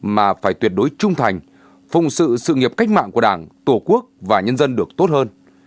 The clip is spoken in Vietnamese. mà phải tuyệt đối trung thành phụng sự sự nghiệp cách mạng của đảng tổ quốc và nhân dân được tốt hơn